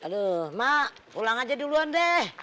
aduh mak pulang aja duluan deh